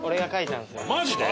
マジで？